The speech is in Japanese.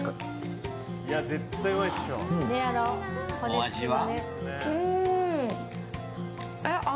お味は？